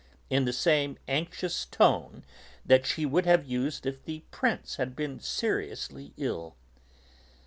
in the same anxious tone that she would have used if the Prince had been seriously ill.